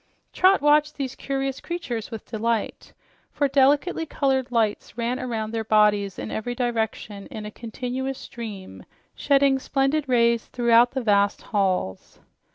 Trot watched these curious creatures with delight, for delicately colored lights ran around their bodies in every direction in a continuous stream, shedding splendid rays throughout the vast halls.